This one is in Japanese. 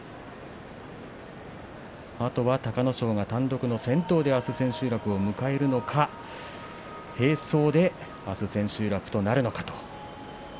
あとは隆の勝が単独の先頭であす千秋楽を迎えるのか並走であす千秋楽となるのか。